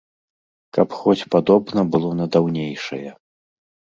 Каб хоць падобна было на даўнейшае.